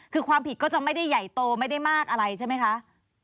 คือความผิดก็จะไม่ได้ใหญ่โตไม่ได้มากอะไรใช่ไหมคะ